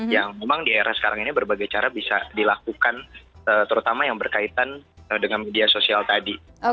yang memang di era sekarang ini berbagai cara bisa dilakukan terutama yang berkaitan dengan media sosial tadi